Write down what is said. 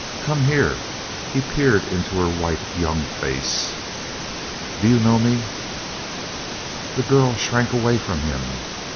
"Come here." He peered into her white young face. "Do you know me?" The girl shrank away from him.